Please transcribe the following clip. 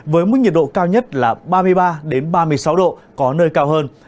với mức nhiệt độ cao nhất là ba mươi ba ba mươi sáu độ có nơi cao hơn